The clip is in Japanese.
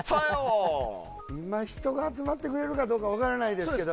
今、人が集まってくれるかどうか分からないですけど。